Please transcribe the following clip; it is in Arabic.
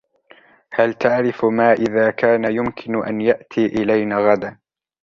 هل تعرف ما اذا كان يمكن أن يأتي الينا غداً؟